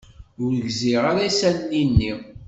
Ur gziɣ ara isali-nni.